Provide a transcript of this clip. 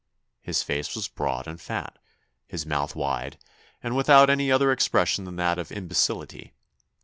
His face was broad and fat, his mouth wide, and without any other expression than that of imbecility.